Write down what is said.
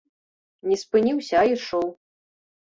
Не спыніўся, а ішоў.